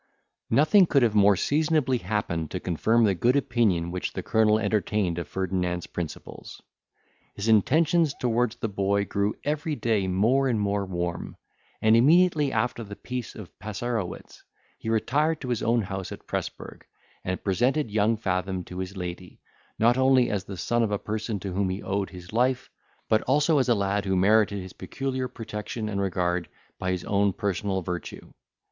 Nothing could have more seasonably happened to confirm the good opinion which the colonel entertained of Ferdinand's principles. His intentions towards the boy grew every day more and more warm; and, immediately after the peace of Passarowitz, he retired to his own house at Presburg, and presented young Fathom to his lady, not only as the son of a person to whom he owed his life, but also as a lad who merited his peculiar protection and regard by his own personal virtue.